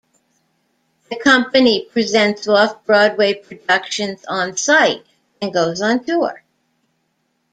The company presents Off-Broadway productions onsite and goes on tour.